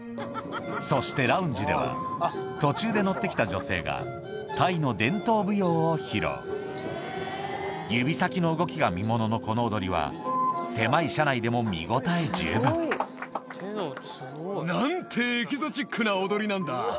そしてラウンジでは途中で乗って来た女性がタイの伝統舞踊を披露指先の動きが見もののこの踊りは狭い車内でも見応え十分何てエキゾチックな踊りなんだ！